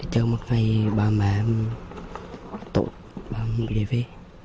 trong mức này ba mẹ em tội ba mẹ em bị đề phê